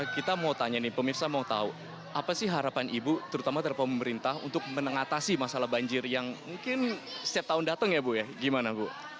kita mau tanya nih pemirsa mau tahu apa sih harapan ibu terutama dari pemerintah untuk mengatasi masalah banjir yang mungkin setiap tahun datang ya bu ya gimana bu